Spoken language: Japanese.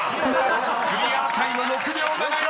［クリアタイム６秒７４！］